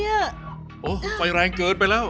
เออไฟแรงเกินไปแล้ว